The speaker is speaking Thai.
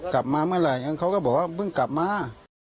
กลับมาเมื่อไหร่เขาก็บอกว่าเพิ่งกลับมา